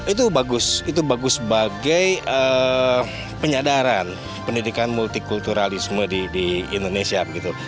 itu bagus itu bagus sebagai penyadaran pendidikan multikulturalisme di indonesia begitu